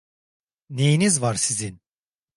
Neyiniz var sizin?